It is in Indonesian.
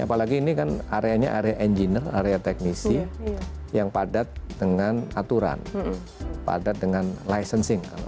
apalagi ini kan areanya area engineer area teknisi yang padat dengan aturan padat dengan licensing